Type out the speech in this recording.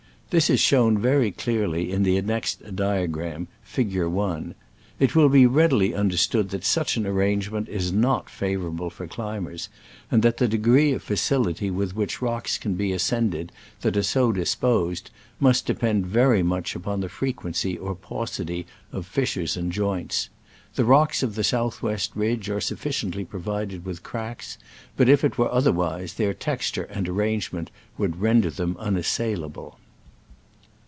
This is shown very clearly in the annexed diagram. Fig. i. It will be readily understood that such an arrangement is not favorable for climbers, and that the degree of facility Fig. I. with which rocks can be ascended that are so disposed must depend very much upon the frequency or paucity of fis sures and joints. The rocks of the south west ridge are sufficiently pro vided with cracks, but if it were other wise, their texture and arrangement would render them unassailable.